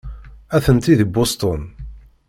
Atenti deg Boston.